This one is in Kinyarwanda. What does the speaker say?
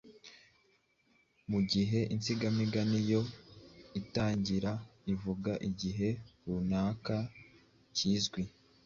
mu gihe insigamugani yo itangira ivuga igihe runaka kizwi,